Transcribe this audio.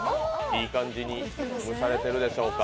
いい感じに蒸されてるでしょうか。